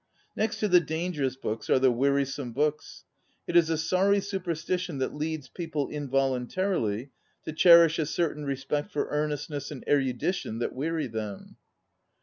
Next to the dangerous books are the wearisome books. It is a sorry superstition that leads people invol untarily to cherish a certain re spect for earnestness and erudition that weary them.